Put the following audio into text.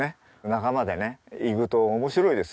仲間でね行くと面白いですよ。